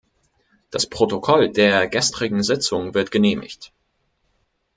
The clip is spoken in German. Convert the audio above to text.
Das Protokoll der gestrigen Sitzung wird genehmigt.